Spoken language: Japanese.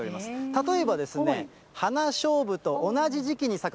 例えば、花しょうぶと同じ時期に咲く